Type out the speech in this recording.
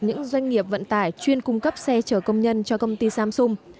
những doanh nghiệp vận tải chuyên cung cấp xe chở công nhân cho công ty samsung